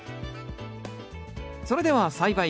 それでは栽培開始。